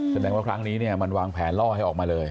แสดงว่าครั้งนี้เนี่ยมันวางแผนล่อให้ออกมาเลย